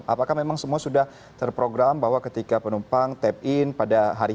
apakah memang semua sudah terprogram bahwa ketika penumpang tap in pada hari ini